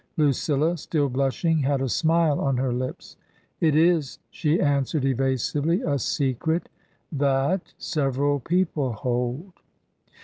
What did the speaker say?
Lucilla, still blushing, had a smile on her lips. " It is," she answered, evasively, " a secret that — sev eral people hold."